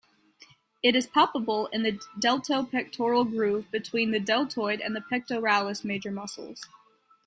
It is palpable in the deltopectoral groove between the deltoid and pectoralis major muscles.